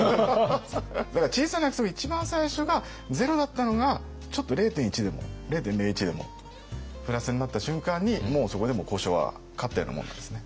だから小さな約束の一番最初がゼロだったのがちょっと０．１でも０．０１でもプラスになった瞬間にもうそこで交渉は勝ったようなもんなんですね。